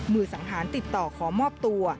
มือสังหารติดต่อขอมอบตัว